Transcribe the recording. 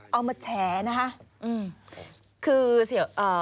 เอามาแฉนะครับ